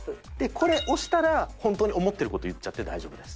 これ押したら本当に思ってる事を言っちゃって大丈夫です。